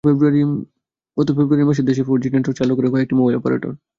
গত ফেব্রুয়ারি মাসে দেশে ফোরজি নেটওয়ার্ক চালু করে কয়েকটি মোবাইল অপারেটর।